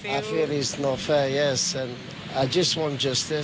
เขาแค่อยากขอความเป็นธรรม